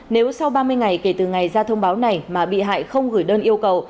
nếu sau ba mươi ngày kể từ ngày ra thông báo này mà bị hại không gửi đơn yêu cầu